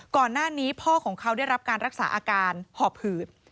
ก่อนหน้านี้พ่อของเขาได้รับการรักษาอาการหอบหืด